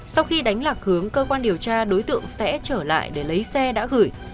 sau khi đánh lạc hướng cơ quan điều tra đối tượng sẽ trở lại để lấy xe đã gửi